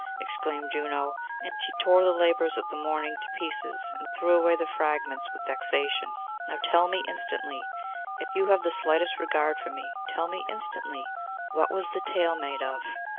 exclaimed Juno; and she tore the labours of the morning to pieces, and threw away the fragments with vexation. 'Now tell me instantly; if you have the slightest regard for me, tell me instantly. What was the tail made of?